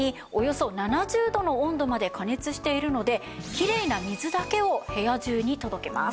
きれいな水だけを部屋中に届けます。